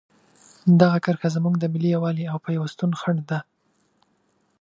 دغه کرښه زموږ د ملي یووالي او پیوستون خنډ ده.